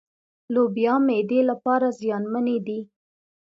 لوبيا معدې لپاره زيانمنې دي.